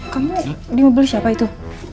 kamu di mobil siapa itu